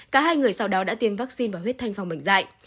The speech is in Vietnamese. cả hai người sau đó đã tiêm vaccine và huyết thanh phòng bệnh dạy